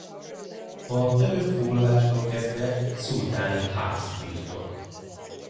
A török foglalástól kezdve szultáni hász-birtok.